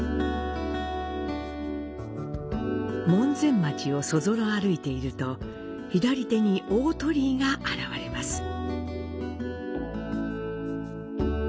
門前町をそぞろ歩いていると、左手に大鳥居が現れます。